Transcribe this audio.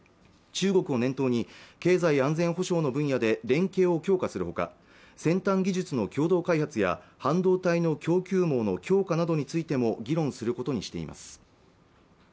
中国を念頭に経済や安全保障の分野で連携を強化するほか先端技術の共同開発や半導体の供給網の強化などについても議論することにしています